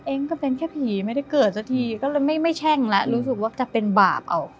ก็เป็นแค่ผีไม่ได้เกิดสักทีก็เลยไม่แช่งแล้วรู้สึกว่าจะเป็นบาปออก